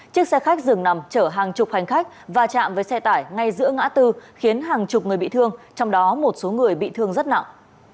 chiếc xe khách dường nằm chở hàng chục hành khách và chạm với xe tải ngay giữa ngã tư khiến hàng chục người bị thương trong đó một số người bị thương rất nặng